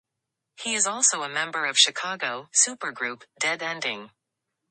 He is also a member of Chicago "supergroup" Dead Ending.